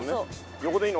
横でいいの？